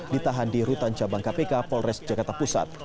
ditahan di rutan cabang kpk polres jakarta pusat